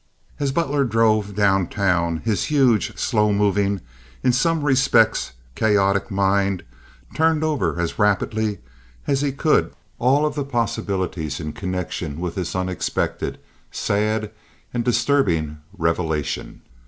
As Butler drove downtown his huge, slow moving, in some respects chaotic mind turned over as rapidly as he could all of the possibilities in connection with this unexpected, sad, and disturbing revelation.